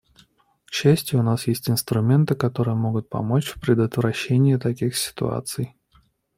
К счастью, у нас есть инструменты, которые могут помочь в предотвращении таких ситуаций.